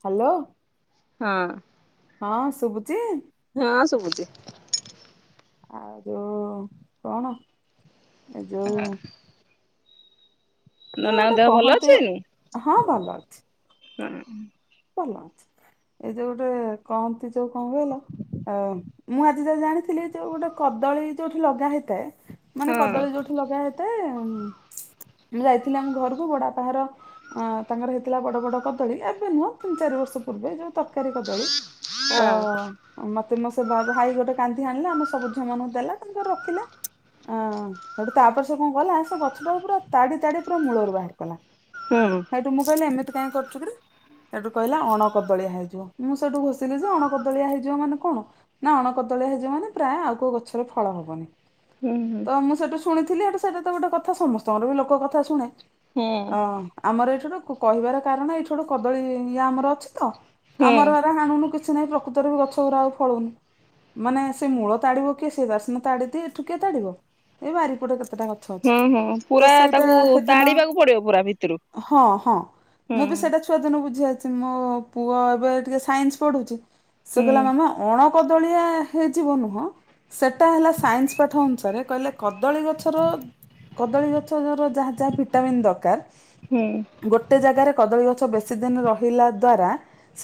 Hello. ହଁ। ହଁ ଶୁବୁଚି। ହଁ ଶୁବୁଚି। ଆଉ ଯୋଉ କଣ? ଏ ଯୋଉ। ହଁ ଏ ଯୋଉ ନନାଙ୍କ ଗୋଟେ ଦେହ ଭଲ କହନ୍ତି ଅଛି? ହଁ ଉଁ ହୁଁ। ଭଲ ଅଛି। ଏଇ ଯୋଉ ଗୋଟେ କହନ୍ତି ଯୋଉ କଣ କହିଲ? ଆଉ ମୁଁ ଆଜି ଯାଏ ଜାଣିଥିଲି ଯୋଉ ଗୋଟେ କଦଳୀ ଯୋଉଠି ଲଗା ହେଇଥାଏ। ମାନେ ହଁ କଦଳୀ ଯୋଉଠି ଲଗା ହେଇଥାଏ। ମୁଁ ଯାଇଥିଲି ଆମ ଘରକୁ ବଡାପା ହର ତାଙ୍କର ହେଇଥିଲା ବଡ ବଡ କଦଳୀ ଏବେ ନୁଅ। ତିନି ଚାରି ବର୍ଷ ପୂର୍ବେ ଯୋଉ ତରକାରୀ କଦଳୀ ତ। ହଁ ମତେ ମୋ ସେ ଭ ଭାଇ ଗୋଟେ କାନ୍ଦି ଆଣିଲା ଆମ ସବୁ ଝିଅମାନଙ୍କୁ ଦେଲା ତାଙ୍କର ରଖିଲା। ଅଁ ସେଠୁ ତାପରେ ସେ କଣ କଲା ସେ ଗଛ ଟାକୁ ପୁରା ତାଡି ତାଡି ପୁରା ମୂଳରୁ ବାହାର କଲା। ହୁଁ। ସେଠୁ ମୁଁ କଇଲି ଏମିତି କାଇଁ କରୁଚୁ କିରେ? ସେଠୁ କହିଲା ଅଣକଦଳିଆ ହେଇଯିବ। ମୁଁ ସେଠୁ ଘୋଷିଲି ଯେ ଅଣକଦଳିଆ ହେଇଯିବ ମାନେ କଣ? ନା ଅଣ କଦଳଆ ହେଯିବ ମାନେ ପ୍ରାଏ ଆଉ କୋଉ ଗଛରେ ଫଳ ହବନି। ହୁଁ ହୁଁ। ତ ମୁଁ ସେଠୁ ଶୁଣିଥିଲି ଏଠୁ ସେଇଟା ତ ଗୋଟେ କଥା ସମସ୍ତଙ୍କର ବି ଲୋକ କଥା ଶୁଣେ ହୁଁ ଅଁ। ଆମର ଏଇଠୁ କହିବାର କାରଣ ଏଇଠୁ ଗୋଟେ କଦଳୀ ଇ ଆମର ଅଛି ତ ହୁଁ ଆମର ଏାର ହାଣୁନୁ କି। କି ନାଇଁ ପ୍ରକୃତରେ ବି ଗଛ ଗୁଡା ଆଉ ଫଳଉନି। ମାନେ ସେ ମୂଳ ତାଡିବ କିଏ? ସେ ତାର ସିନା ତାଡି ଦିଏ ଏଠୁ କିଏ ତାଡିବ। ଏଇ ବାରିପଟେ କେତେଟା ଗ। ହୁଁ ହୁଁ। ପୁରା ତାକୁ ହେଦିନ ତାଡିବାକୁ ପଡିବ ପୁରା ଭିତୁରୁ। ହୁଁ। ସ୍ଵାଦନ ବୁଝି ଆଚଛି ମୋ ପୁଅ ଏବେ ଟିକେ ସାଇନ୍ସ ପଢୁଛି ସେ ହୁଁ କହିଲା ମାମା। ଅଣକଦଳିଆ ହେଇଯିବ ନୁହଁ ସେଟା ହେଲା ସାଇନ୍ସ ପାଠ ଅନୁସାରେ କହିଲେ କଦଳୀ ଗଛର କଦଳୀ ଗଛର ଯାହା ଯାହା ଭିଟାମିିନ ଦରକାର ହୁଁ ଗୋଟେ ଜାଗାରେ କଦଳୀ ଗଛ ବେଶୀ କି ଦିନ ରହିଲା ଦ୍ଵାରା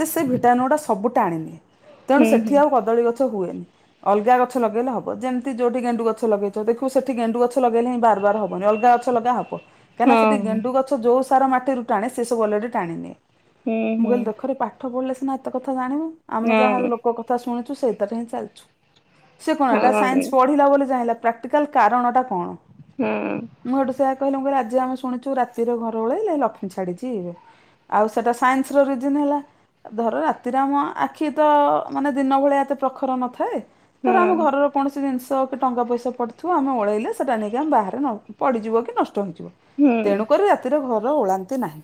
ସେ ଭିଟାମନ୍ ଗଟା ସବୁଟା ଆଣି ନିିଏ ତେଣୁ ହୁଁ ସେଠି ହୁଁ ଆଉ କଦଳୀ ଗଛ ହୁଏନି ଅଲଗା ଗଛ ଲଗେଇଲେ ହବ ଯେମିତି ଯୋଉଠି ଗେଣ୍ଡୁ ଗଛ ଲଗେଇଛ ଦେଖୁ ସେଠି ଗେଣ୍ଡୁ ଗଛ ଲଗେଇଲେିଁ ବାର ବାର ହବନି ଅଲଗା ଗଛ ଗଛ ଲଗା ହବ କାହିଁକି ହଁ ସେଠ ଗେଣ୍ଡୁ ଗଛ ଯୋଉ ସାର ମାଟିରୁ ଟାଣେ ସେ ସବୁ ଅଲରେ ଟାଣିନିଏ ହୁଁ ମୁଁ ହୁଁ କହିଲି ଦେଖରେ ପାଠ ପଢିଲେ ସିନା ଏତେ କଥା ଜାଣିବ ଆମେ ଯାହା ହଁ ଲୋକ ଶୁଛୁ ସେଇଥିରେ ହିଁ ଚାଲଲିଛୁ କଣଟ ହଁ ହଁ ସନ୍ସ ପଢିଲା ଆଟିକାଲ କାରଣଟା କଣ ହଁ ମୁଁ ଏଠୁ ସେଇଆ କଇଲି ମୁଁ କଇଲି ଆଜି ଆମେ ଶୁଣିଛୁ ରାତିରେ ଘର ଓଳେଇଲେ ଲକ୍ଷ୍ମୀ ଛାଡିଯିବେ। ଆଉ ସେଟା ସାଇନ୍ସ ର ରନ ହେଲା ଧର ରାତିରେ ଆମ ଆଖି ତ ମାନେ ଦିନ ଭଳିଆ ଏତେ ପ୍ରଖର ନଥାଏ ତର ହଁ ଆମ ଘରର କୌଣସି ଜିନିଷ କି ଟଙ୍କା ପଇସା ପଡ଼ିଥିବୁ ଆମେ ଓଳେଇଲେ ସେଇଟା ନେଇକି ଆମେ ବାହାରେ ପଡ଼ିଯିବ କି ନଷ୍ଟ ହୋଇଯିବ ହୁଁ ତେଣୁକରି ରାତିରେ ଘର ଓଳାନ୍ତି ନାହିଁ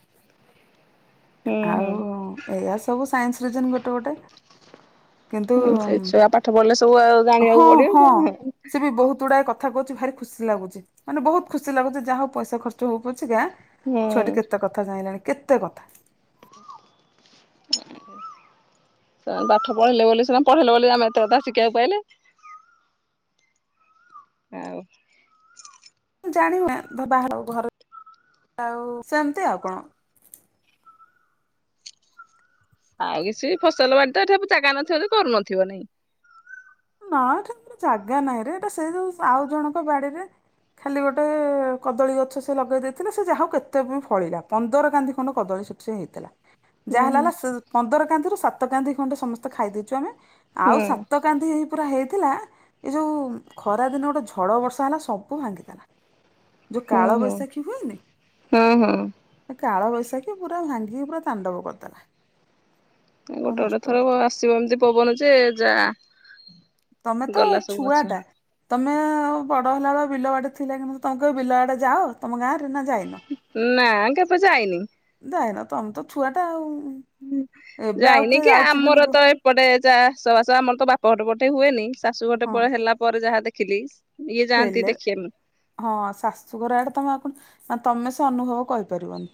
ହୁଁ ହୁଁ। ଆଉ ଏଇଆ ସବୁ ସାଇନ୍ସଜନ ଗୋଟେ ଗୋଟେ କିନ୍ତୁ ସେଇଛୁଆ ପାଠ ପଢିଲେ ସବୁ ଆଉ ହଁ ଜାଣିବାକୁ ହଁ ପଡିବ ସେ ବି ବହୁତ ଗୁଡାଏ କଥା କହୁଛି ଭାରି ଖୁସି ଲାଗୁଛି ମାନେ ବହୁତ ଖୁସି ଲାଗୁଛି ଯାହା ହଉ ପଇସା ଖର୍ଚ୍ଚ ହଉ ପଛି କା ଛୁଆଟି କେତେ କଥା ଜହିଁଲାଣି କେତେ କଥା ହ ସେମାନେ ପାଠ ପଢେଇିଲେ ବୋଲି ସେମାନେ ପଢେଇଲେ ବୋଲି ଆମେ ଏତେ ଶିଖିବାକୁ ପାଇଲେ ଆଉ ଜାଣ ହୁ ବାହାର ଘରେ ଆଉ ସେମିତି ଆଉ କଣ ଆଉ କିଛି ଫସଲ ବାଡି ତ ଏଠା ଜାଗା ନଥିବ କରୁନଥିବ ନାାଇଁ ନା ଏଟା ଜାଗା ନାହିଁ ରେ ଏଟା ସେ ଯୋଉ ଆଉ ଜଣଙ୍କ ବାଡିରେ ଖାଲି ଗୋଟେ କଦଳୀ ଗଛ ସେ ଲଗେଇ ଦେଇଥିଲେ ସେ ଯାହାଉ କେତେ ଉଁ -ଫଳିଲା ପନ୍ଦର କାନ୍ଧି ଖଣ୍ଡେ କଦଳୀ ସେ ସେ ହେଇଥିଲା। ହୁଁ ଯାହା ହେଲା ହୁଁ। ହେଲା ସ୍- ପନ୍ଦର କାନ୍ଧିରୁୁ ସାତ କାନ୍ଧି ଖଣ୍ଡେ ସମସ୍ତେ ଖାଇଦେଇଚୁ ଆମେ ଆଉ ହୁଁ ସାତ କାନ୍ଧି ପୁରା ହେଇଥିଲା ଏ ଯଉ ଖରା ଦିନ ଗୋଟେ ଝଡ଼ ବର୍ଷା ହେଲା ସବୁ ଭାଙ୍ଗିଦେଲା। ଯଉ ହୁଁ ହୁଁ କାଳବୈଶାଖୀ ହୁଏନି ହଁ ହଁ। ଏ କାଳବୈଶାଖୀ ପୁରା ଭାଙ୍ଗିକି ପୁରା ତାଣ୍ଡବ କରିଦେଲା। ସବୁ ଗୋଟେ ଗୋଟେ ଥର ନଷ୍ଟ ବ-ଆସିବ ଏମତି ପବନ ଯେ ଯା। ତମେ ତ ଗଲା ସବୁ ଗଛ। ଛୁଆ ଟା। ତମେ ବଡ଼ ହେଲାବେଳେ ବିଲବାଡି ଥିଲା କି ତମେ କେବେ ବିଲଆଡ଼େ ଯାଅ ତମ ଗାଁରେ ନା ଯାଇନ? ନାଁ କେବେ ଯାଇନି। ଯାଇନ ତମେ ତ ଛୁଆଟା ଆଉ। ଏବେ ଆଉ ଯାଇନି କିଏ କି ଯାଉଛି ଆମର ବିଲକୁ ତ ଏ ସେପଟେ ଯା -ଚାଷବାସ ଆମର ତ ବାପଘର ପଟେ ହୁଏନି ଶାଶୁଘର ହଁ ପଟେ ହେଲା ପରେ ଯାହା ଦେଖିଲି। ଇଏ ଯାଆନ୍ତି ହେଲେ ଦେଖେ ମୁଁ। ହଁ ଶାଶୁଘର ଆଡେ ତମ -ଆଉ ତମେ ସେ ଅନୁଭବ କରି ପାରିବନି।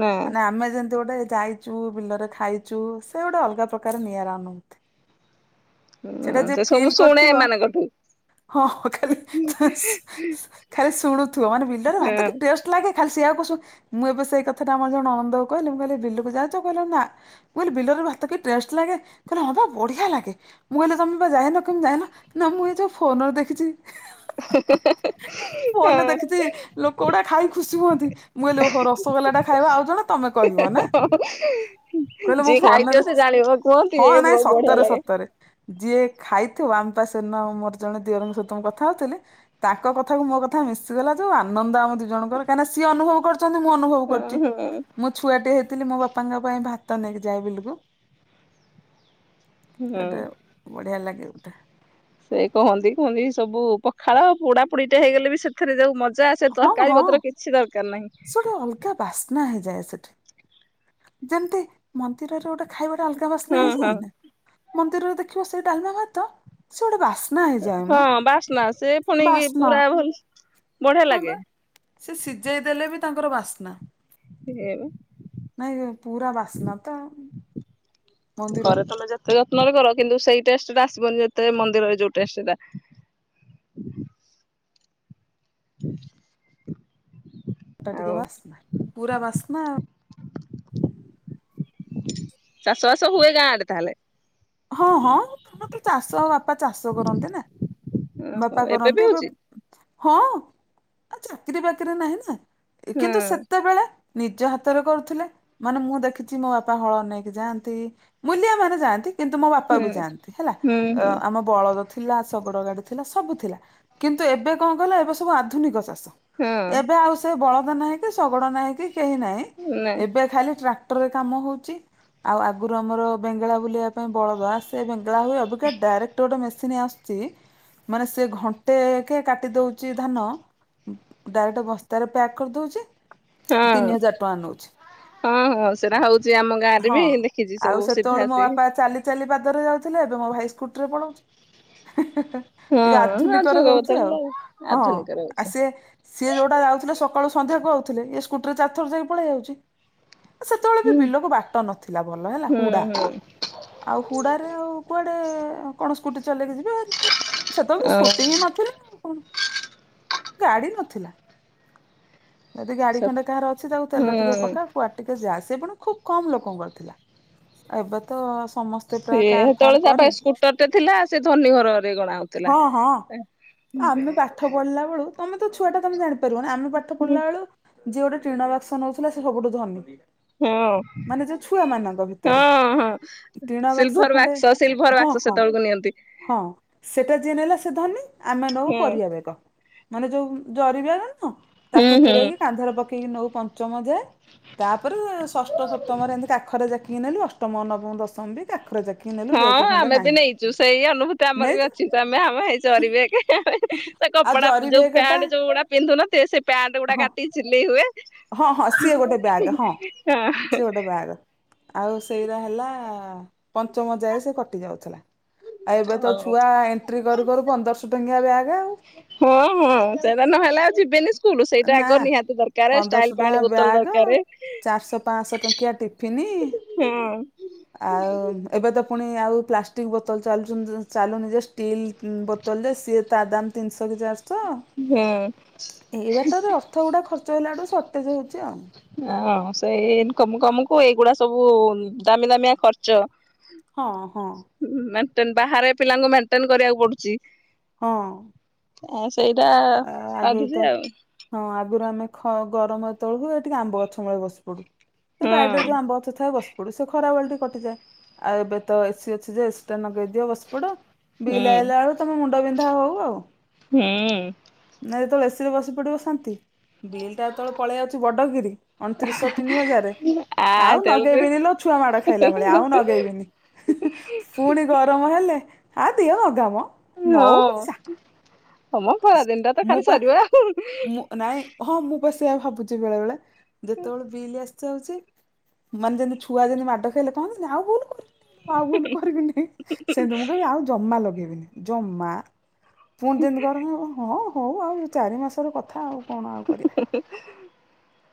ନା। ମାନେ ଆମେ ଯେମତି ଗୋଟେ ଯାଇ ଚୁ ବିଲରେ ଖାଇଚୁ ସେ ଗୋଟେ ଅଲଗା ପ୍ରକାର ନିଆରା ଅନୁଭୂତି। ସେଟା ହଁ ଯିଏ ସେ ସବୁ ମୁଁ ଫିଲ୍ ଶୁଣେ କରିଥିବ ଏମାନଙ୍କଠୁ। ହଁ- ଖାଲି [unintelligible] ଖାଲି ଶୁଣୁଥିବ ମାନେ ବିଲରେ ଭାତ ହଁ କି ଟେଷ୍ଟ୍। ଲାଗେ ଖାଲି ସେଇଆ କୁ ସୁ-ମୁଁ ଏବେ ସେଇକଥା ଟା ଆମର ଜଣେ ନଣନ୍ଦ କୁ କହିଲି ମୁଁ କହିଲ ବିଲକୁ ଯାଉଚ? କହିଲା ନା। ମୁଁ କହିଲି ବିଲରେ ଭାତ କି ଟେଷ୍ଟ୍ ଲାଗେ କହିଲେ ହଁ ପା ବଢିଆ ଲାଗେ। ମୁଁ କହିଲି ତମେ ପା ଯାଇନ କେମିତି ଜାଣିଲ ନା ମୁଁ ଏ ଯଉ ଫୋନରୁ ଦେଖିଚି। ହିଁ- ହିଁ - ହିଁ। ଫୋନ୍ ରେ ଦେଖିଚି ଲୋକ ଗୁଟା ଖାଇ ଖୁସି ହୁଅନ୍ତି ମୁଁ କହିଲି ଓହୋ ରସଗୋଲା ଟା ଖାଇବ ଆଉ ଜଣେ ତମେ କହିବ ନା କହିଲେ ମୁଁ ଯିଏ ଫୋନ୍ ରେ ଖାଇଥିବ ସେ ଦେଖିଚି ଜାଣିବ କୁହନ୍ତି ହଁ ଏ -ନାଇଁ ବଢିଆ ସତରେ ଲାଗେ। ସତ୍ ତରେ ଯିଏ ଖାଇଥିବ ଆମେ ପା ସେଦିନ ମୋର ଜଣେ ଦିଅରଙ୍କ ସହିତ ମୁଁ କଥ୍ କଥା ହଉଥିଲି ତାଙ୍କ କଥାକୁ ମୋ କଥା ମିଶିଗଲା ଯଉ ଆନନ୍ଦ ଆମ ଦି ଜଣଙ୍କର କାହିଁକି ନା ସିଏ ଅନୁଭବ କରି କରିଚନ୍ତି ମୁଁ ଅନୁଭବ କରିଚି ହଁ ହଁ ମୁଁ ଛୁଆଟେ ହେଇଥିଲି ମୋ ବାପାଙ୍କ ପାଇଁ ଭାତ ନେଇକି ଯାଏ ବିଲକୁ। ହଁ। ସେଟା ବଢିଆ ଲାଗେ। ସେ କହନ୍ତି- କୁହନ୍ତି ସବୁ ପଖାଳ ପୁଡାପୁଡି ଟେ ହେଇଗଲେ ବି ସେ ସେଥେରେ ଯଉ ମଜା ଆସେ ହଁ ତରକାରୀ ପତ୍ର କିଛି ଦରକାର୍ ନାହିଁ। ପୁରା ବାସ୍ନା ହେଇଯାଏ ସେଠି ଯେମତି ମନ୍ଦ୍ ମନ୍ଦିରରେ ଗୋଟେ ଖାଇବାଟା ଅଲଗା ବାସ୍ନା ହଁ ହଁ ହେଇଯାଇନି ମନ୍ଦିରରେ ଦେଖିବ ସେଇ ଡାଲ୍ମା ଭାତ ସେ ଗୋଟେ ବାସ୍ନା। ହେଇଯାଏ ହଁ ମ ବାସ୍ନା ଆସେ ଫୁଣି ବାସ୍ନା ପୁରା ଭଲ୍ -ବଢିଆ ହଁ ବା ଲାଗେ। ସେ ସିଜେଇ ଦେଲେ ବି ତାଙ୍କର ବାସ୍ନା ଏମ୍। ନାଇଁ ଯେ ପୁରା ବାସ୍ନା ତ ଆଉ। ଘରେ ତମେ ଯେତେ ଯତ୍ନରେ କର କିନ୍ତୁ ସେଇ ଟେଷ୍ଟ୍ ଟା ଆସିବନି ଯେତେ ମନ୍ଦିରରେ ଯଉ ଟେଷ୍ଟ୍ ଟା। [inaudible] ଟା ଆଉ ଟିକେ ବାସ୍ନା -ପୁରା ବାସ୍ନା ଆଉ। ଚାଷ ବାସ ହୁଏ ଗାଁ ଆଡେ ତାହେଲେ? ହଁ- ହଁ କଣ କି ଚାଷ ବା ବାପା ଚାଷ କରନ୍ତି ନା ଓହୋ ବାପା ଏବେ କରନ୍ତି ବି ହଉଛି ଏବବ୍ ହଁ ଆଉ ଚାକିରି ବାକିରି ନାହିଁ ନା ହୁଁ କିନ୍ତୁ ସେତେବେଳେ ନିଜ ହାତରେ କରୁଥିଲେ ମାନେ ମୁଁ ଦେଖିଚି ମୋ ବାପା ହଳ ନେଇକି ଯାଆନ୍ତି ମୁଲିଆ ମାନେ ଯାଆନ୍ତି କିନ୍ତୁ ମୋ ବାପା ବି ହୁଁ। ଯାଆନ୍ତି ହେଲା ହୁଁ ହୁଁ ଅ-ଆମ ବଳଦ ଥିଲା ଶଗଡ ଗାଡି ଥିଲା ସବୁ ଥିଲା କିନ୍ତୁ ଏବେ କଣ କହିଲ ଏବେ ସବୁ ଆଧୁନିକ ଚାଷ। ହଁ ଏବେ ଆଉ ସେ ବଳଦ ନାହିଁ, କି ଶଗଡ ନାହିଁ, କି କେହି ନାହିଁ, ନା ଏବେ ଖାଲି ଟ୍ରାକ୍ ଟରେ କାମ ହଉଛି, ଆଉ ଆଗରୁ ଆମର ବେଙ୍ଗେଳା ବୁଲିବା ପାଇଁ ବଳଦ ଆସ ଟକ୍ ସେ ବେଙ୍ଗଳା ହୁଏ, ଅବିକା ଡାଇରେକ୍ଟ ଗୋଟେ ମେସିନ୍ ଆସ୍‌ଚି ମାନେ ସେ ଘଣ୍ଟେ କେ କାଟି ଦଉଚି ଧାନ। ଡାଇରେକ୍ଟ ବସ୍ତାରେ ପ୍ୟାକ୍ କରିଦଉଛି, ତିନି ହଁ। ହଜାର ଟଙ୍କା ନଉଛି। ହଁ ହଁ ସେଇଟା ହଉଛି ଆମ ଗାଁରେ ହଁ। ବି ଦେଖିଛି ଆଉ ସବୁ ସିଧା ସେତେବେଳେ ମୋ ଆସିକି। ବାପା ଚାଲି ଚାଲି ପାଦରେ ଯାଉଥିଲେ, ଏବେ ମୋ ଭାଇ ସ୍କୁଟରେ ପଳଉଛି। ହେଁ ହେଁ ହିଁ ଟିକେ ହଁ ଆଉ ଆଧୁନିକରେ ଯୁଗ ହଉଛି ଆଉ, ବଦଳିଲା ହଁ ଆଧୁନିକରେ ହଉଛି। ଆଉ ସିଏ ସିଏ ଯୋଉଟା ଯାଉଥିଲେ ସକାଳୁ ସନ୍ଧାକୁ ଆଉଥିଲେ, ଇଏ ସ୍କୁଟି ରେ ଚାରଥର ଯାଇ ପଳେଇ ଆଉଛି। ସେତେବେଳେ ହୁଁ ବି ବିଲକୁ ବାଟ ନଥିଲା, ଭଲ ହେଲା ହୁଁ ହୁଡା ହୁଁ ଆଉ ହୁଡାରେ, ଆଉ କୁଆଡେ, କଣ ସ୍କୁଟି ଚଲେଇକି ସେତେବେଳେ ତ ଆ ହୁଁ ସ୍କୁଟି ହିଁ ନଥିଲା। ଗାଡ଼ି ନଥିଲା। ଯଦି ଗାଡି ସିଏ ଖଣ୍ଡେ କାହାର ଅଛି, ତାକୁ ତେଲ ଟିକେ ପକା କୁଆଟିକେ ଯାଆ, ସିଏ ବି ପୁଣି ଖୁବ୍ କମ୍ ଲୋକଙ୍କରଥିଲା ଆଉ ଏବେ ତ ସମସ୍ତେ ପ୍ରାୟ କାର ଫାର ସେତେବେଳେ ତା କରି, ପାଖେ ସ୍କୁଟର ଟେ ଥିଲା ସେ ଧନୀ ଘରରେ ଗଣା ହଉଥିଲା। ହଁ ହଁ ଆମେ ପାଠ ପଢିଲା ବେଳୁ, ତମେ ତ ଛୁଆ ଟା ତମେ ଜାଣିପାରିବ ନା ଆମେ ପାଠ ହଁ ପଢିଲା ବେଳୁ ଯିଏ ଗୋଟେ ଟ୍ରେନ୍ ଆବଜ୍ ଶୁଣାଉଥିଲା ସେ ସବୁଠୁ ଧନୀ ହଁ ମାନେ ଯୋଉ ଛୁଆ ମାନଙ୍କ ଭିତରେ ହଁ ହଁ ଟିଣ ସିଲଭର ଖଣ୍ଡେ ବାକ୍ସ ସିଲଭର ହଁ ବାକ୍ସ ହଁ ସେତେବେଳକୁ ନିଅନ୍ତୁ ହଁ ସେଟା ଯିଏ ନେଲା ସେ ଧନୀ ଆମେ ନବ ହୁଁ ପରିବା ମାନେ ଯୋଉ ଜରିବ ହୁଁ ତାକୁ ହୁଁ ପକି କାନ୍ଧରେ ପକେଇ ଠୀକ ନଉ ପଞ୍ଚମ ଯାଏ ତାପରେ ଷଷ୍ଠ ସପ୍ତମରେ ଏମିତି କାଖରେ ଜାକିକି ନେୁ ଅଷ୍ଟମ ନବମ ଦଶମ ବି ଆଖ କି ହଁ ଆମେ ବି ନେଇଛୁ ସେଇ ଅନୁଭୂତି ଆମର ବି ନେଇଛୁ ଅଛି ତ ଆମେ ଆମ ହୋଇ ଚରିବେ ଆେ ସେ ଆଉ କପଡା ଜରି ଯୋଉ ବେଗ ଟା ପ୍ୟାଣ୍ଟ ଯୋଉ ଗୁଡା ପିନ୍ଧୁନ ସେ ସେ ପ୍ୟାଣ୍ଟ ଗୁଡା ହଁ କାଟିକି ସିଲେଇ ହୁଏ ହଁ ହଁ ସିଏ ଗୋଟେ ବ୍ୟାଗ ହଁ ସିଏ ଗୋଟେ ବ୍ୟାଗ ଆଉ ସେଇରାା ହେଲା ପଞ୍ଚମ ଯାଏ ସେ କଟି ଯାଉଥିଲା ଆଉ ଏବେ ହଁ ତ ଛୁଆ ଏଣ୍ଟ୍ରି କରୁ କରୁ ପନ୍ଦରଶହ ଟଙ୍କିଆ ବ୍ୟାଗ୍ ଆଉ ହଁ ହଁ ସେଇଟା ନହେଲେ ଆଉ ଯିବେନି କୁ ସେଇଟା ନା ଆଗ ନିହାତି ଦରକାର ପନ୍ଦରଶହ ଷ୍ଟାଇଲ ଟଙ୍କା ପାଣି ବୋତଲ ବ୍ୟାଗ ଦରକାର ଚାରିଶହ ପାଞ୍ଚଶହ ଟଙ୍କିଆ ଟିଫିନି ଆଉ ହଁ ଏବେ ତ ପୁଣି ଆଉ ପ୍ଲାଷ୍ଟିକ୍ ବୋତଲ ଚାଲୁଛନ୍ତି ଚାଲୁନି ଯେ, ଷ୍ଟିଲ୍ ବୋତଲ ଯେ, ସିଏ ତା ଦାମ୍ [unintelligible] ହୁଁ ଏଇ ବାଟରେ ଅର୍ଥ ଗୁଡା ଖର୍ଚ ହେଲାଠୁ, ସର୍ଟେଜ ହଉଛି ଆଉ ହଁ ସେଇ ଇନ କମକୁ ଏଇଗୁଡା ସବୁ ଦାମି ଦାମିଆ ଖର୍ଚ ହଁ ହଁ ମେଣ୍ଟେ ବାହାରେ ପିଲାଙ୍କୁ ମେଣ୍ଟେନ କରିବାକୁ ପଡୁଛି ହଁ ସେଇଟା ଆ- ଆଗରୁ ବାଧୁଛି ତ ଆଉ ହଁ ଆଗରୁ ଆମେ ଗରମ ତଳକୁ ଏଠିକିେ ଆମ୍ବ ଗଛ ମୂଳେ ବସି ପଡୁ ସେ ବାାଇ ରେ ହୁଁ ଯୋଉ ଆମ୍ବ ଅଛଥା ବସି ପଡୁ ସେ ଖରାବେେଳେ ଟିକେ କଟିଯାଏ ଆଉ ଏବେ ତ ଏସିି ଅଛି ଯେ ଏସି ଟା ନଗେଇି ଦିଅ ବସପୋଟ ହୁଁ ବିଲାଇଲା ବେଳୁ ତମେ ମୁଣ୍ଡ ବିନ୍ଧା ହଉ ଆଉ ହୁଁ ନାଇଁ ଯେତେବେଳେ ଏସିିରେ ବସି ପଡିବ ଶାନ୍ତି ବିଲ୍ ଟା ଯେତେବେଳେ ପଳେଇ ଆାଉଛି ବଡଗିରି ଅଣତିରିଶଶହ ତିନି ହଜାର ଆ ଆଉ ତେଳକୁ ନଗେଇବିନି ଲୋ ଛୁଆ ମାଡ ଖାଇଲା ଭଳିଆ ଆଉ ନଗେଇବିନି ପୁଣି ଗରମ ହେଲେ ହ ଦିଅ ଅଗାମ ହଁ ହୟ ଖରା ଦିନଟ ତ ମୁଁ ଖାଲି ପାଁ ସରିବ ଆଉ ନାଇଁ ହଁ ମୁଁ ପା ସେଆ ଭାବୁଛି ବେଳେ ବେଳେ ଯେତେବେଳେ ବିଲ ଆସି ଛି ମାନେ ଯେମିତି ଛୁଆ ଯେମତି ମାଡ ଖାଇଲେ କହନ୍ତିି ଆଉ ଭୁଲ କୁହ ଆଉ ଭଣ କରିବିନି ସେମିତି ମୁଁ କହିବି ଆଉ ଜମା ଲଗେଇବିନି ଜମା ପୁଣି ଯେମିତି କର ହଁ ହଉ ଆଉ ଚାରି ମାସ କଥା ଆଉ କଣ ଆଉ କରିବା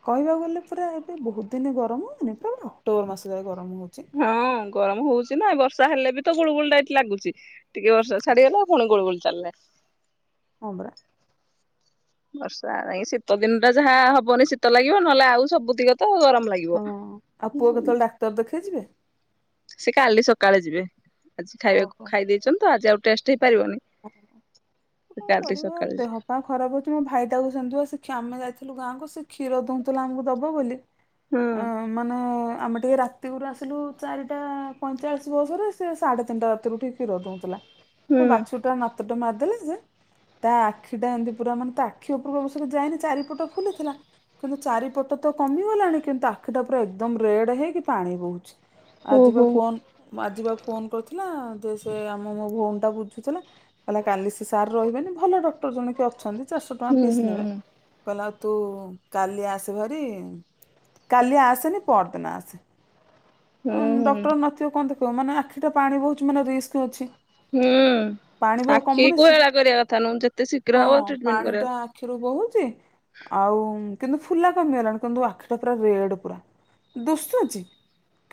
କହିବାକୁ ଗଲେ ପୁରା ଏବେ ବହୁତ ଦିନେ ଗରମ ହଉନି ପୁରା ଅକ୍ଟୋବର ମାସ ଯାଏ ଗରମ ହଉଛି ହଁ ଗରମ ହଉଛିି ନା ବର୍ଷା ହେଲେ ବି ତ ଗୁଳୁ ଗୁଳଟା ଏଠି ଲାଗୁଛି ଟିକେ ବର୍ଷ ଛାଡିଗଲାଉୁଣି ଗୁ ଗୁଳି ଚାଲେ ହବରା ବର୍ଷା ନାଇଁ ଶୀତ ଦିନଟା ଯାହା ହବନି ଶୀତ ଲାଗିବ ନହେଲେ ଆଉ ସବୁ ଦିଗ ତ ଗରମ ଲାଗିବ ହଁ ଆଉ ପୁଅ କେତେବେଳେ ଡାକ୍ତର ଦେଖେଇଯିବେ ସେ କାଲି ସକାଳେ ଯିବେ ଆଜି ଖାଇବାକୁ ଓହୋ ଖାଇ ଦେଇେଇଛନ୍ତି ତ ଆଜି ଆଉ ଟେଷ୍ଟ ହେଇପାରିବନି ଚାଲତି ସକାଳ କ ଖରାପ ହଉଛି ମୋ ଭାଇଟାକୁ ସେମିଥିବ ସେଷମେ ଯାଇଥିଲୁ ଗାଁକୁ ସେ କ୍ଷୀର ଦଉଥିଲା ଆମକୁ ଦବ ବୋଲି ଅଁ, ହଁ ମାନେ ଆମେ ଟିକେ ରାତିରୁ ଆସିଲୁ ଚାରିଟା ପଇଁଚାଳିଶ ବସରେ ସେ ସାଢ଼େ ତିନିଟା ରାତିରୁ ଠିକ କ୍ଷୀର ଦଉଥିଲା ସେ ହୁଁ ବାଛୁଟା ନାାତଟେ ମାରିଦେଲେ ଯେ ତା ଆଖିଟା ଏମିତି ପୁରା ମାନେ ତା ଆଖି ଉପରକୁବଶକ ଯାଇନି ଚାରିପଟ ଫୁଲିଥିଲା କିନ୍ତୁ ଚାରିପଟ ତ କମିଗଲାଣି କିନ୍ତୁ ଆଖିଟା ଉପରେ ଏକଦମ ରେଡ ହେଇକି ପାଣି ବହୁଛି ଆଜିିବା ଓହୋ ଫୋ ଆଜିିବା ଫୋନ କରିୁଥିଲା ଯେ ସେ ଆମ ମୋ ଭଉଣୀ ଟା ବୁଝୁଥିଲା ହେଲେ କାଲି ସେ ସାର୍ ରହିବେନି ଭଲ ଡକ୍ଟର ଜଣ କି ଅଛନ୍ତି ଚାରିଶହ ଟଙ୍କା ହୁଁ ଫିସ୍ ହୁଁ ନେବେ କହିଲେ ଆଉ ତୁ କାଲି ଆସ ଭରିି କାଲି ଆସେନି ପରଦିନ ଆସେ ହୁଁ ହୁଁ ହୁଁ ଡକ୍ଟର ନଥିବ କଣ ଦେ କହ ମାନେ ଆଖିଟା ପାଣି ବହୁତ ମାନେ ରିସ୍କ ଅଛି ହୁଁ ପାଣି ବି ଆଉ ଆଖି କମୁନି କୁ ସେ ହେଳା କରିବା କଥା ନୁଁ ଯେତେ ଶୀଘ୍ର ହବ ଟ୍ରିଟମେଣ୍ଟ କରିବା ଆୀରୁ ବହୁଛି ଆଉ କିନ୍ତୁ ଫୁଲା କମିଗଲାଣି କିନ୍ତୁ ଆଖିଟା ପୁରା ରେଡ ପୁରା ଦୁଶୁଛି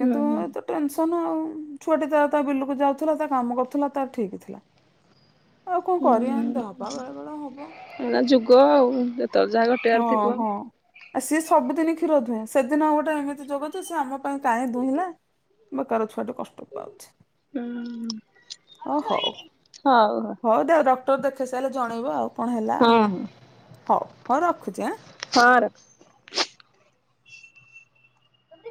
ହୁଁ କିନ୍ତୁ ହୁଁ। ଏତ ଟେନସନ ଆଉ ଛୁଆଟି ତ ତା ବିଲକୁ ଯାଉଥିଲା ତା କାମ କରୁଥିଲା ତା ଠିକ୍ ଥିଲା ଆଉ କଣ କରି ଆନ୍ତେ ହୁଁ ହବା ବେଳେ ବେଳେ ହବ ଯୁଗ ଆଉ ଯେତେବେଳେ ଯାଗ ହଁ ହଁ ଆ ସିଏ ସବୁଦିନ କ୍ଷୀର ଦୁହଁ ସେଦିନ ଆଉ ଗୋଟେ ଏମିତି ଜଗଛ ସି ଆମ ପାଇଁ କାହିଁ ଦୁଇଁଲା ବା କାର ଛୁଆା କଷ୍ଟ ହୁଁ ଓ ହଉ ହଉ ଦ ଟର ଦେଖେଇ ସାରିଲେ ଜଣେଇବ ଆଉ କଣ ହେଲା ଆଉ ହଁ ହଁ ହଉ ହଉ ରଖୁଛି ଆଁ ହର